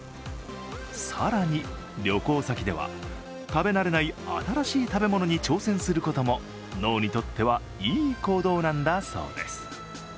更に、旅行先では食べ慣れない新しい食べ物に挑戦することも脳にとってはいい行動なんだそうです。